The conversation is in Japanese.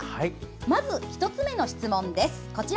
まず１つ目の質問です。